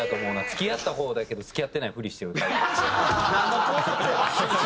付き合った方だけど付き合ってない振りしてるタイプ。